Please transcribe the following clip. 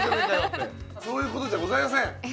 そういうことじゃございませんえ？